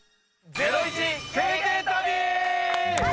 ゼロイチ経験旅！